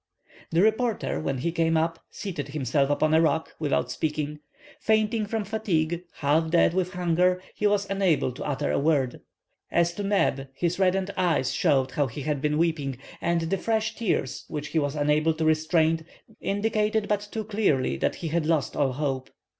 The reporter, when he came up, seated himself upon a rock, without speaking. Fainting from fatigue, half dead with hunger, he was unable to utter a word. As to Neb, his reddened eyes showed how he had been weeping, and the fresh tears which he was unable to restrain, indicated, but too clearly, that he had lost all hope.